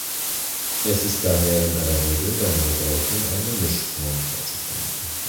Es ist daher in aller Regel bei Neubauten eine Mischform vorzufinden.